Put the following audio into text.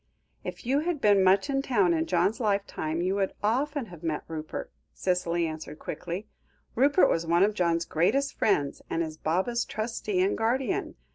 "If you had been much in town in John's lifetime you would often have met Rupert," Cicely answered quickly. "Rupert was one of John's greatest friends, and is Baba's trustee and guardian.